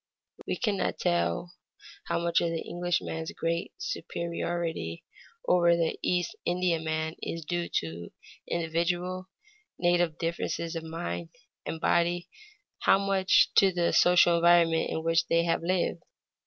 We cannot tell how much of the Englishman's great superiority over the East Indiaman is due to individual, native differences of mind and body, how much to the social environment in which they have lived.